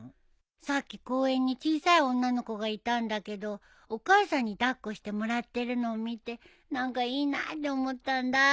さっき公園に小さい女の子がいたんだけどお母さんに抱っこしてもらってるのを見て何かいいなって思ったんだ。